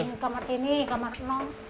di kamar sini kamar tenang